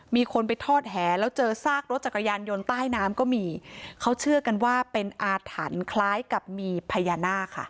มีคนไปทอดแห่แล้วเจอซากรถจักรยานยนต์ใต้น้ำก็มีเขาเชื่อกันว่าเป็นอาถรรพ์คล้ายกับมีพญานาคค่ะ